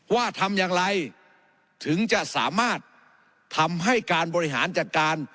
ว่าทำอย่างไรถึงจะสามารถทำให้การบริหารจัดการ